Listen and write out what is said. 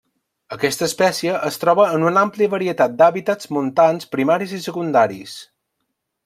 Aquesta espècie es troba en una àmplia varietat d'hàbitats montans primaris i secundaris.